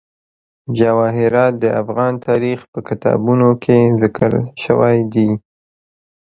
جواهرات د افغان تاریخ په کتابونو کې ذکر شوی دي.